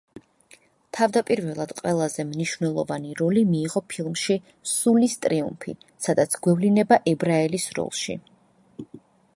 თავდაპირველად ყველაზე მნიშვნელოვანი როლი მიიღო ფილმში „სულის ტრიუმფი“, სადაც გვევლინება ებრაელის როლში.